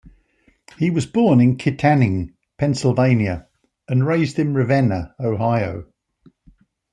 He was born in Kittanning, Pennsylvania, and raised in Ravenna, Ohio.